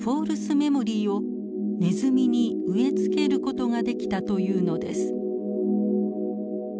メモリーをネズミに植え付ける事ができたというのです。